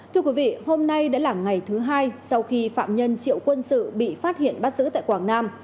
thưa quý vị hôm nay đã là ngày thứ hai sau khi phạm nhân triệu quân sự bị phát hiện bắt giữ tại quảng nam